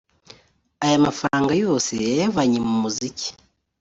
Aya mafaranga yose yayavanye mu muziki